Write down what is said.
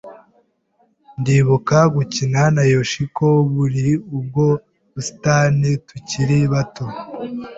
Ndibuka gukina na Yoshiko muri ubwo busitani tukiri bato.